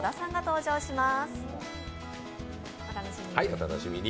お楽しみに。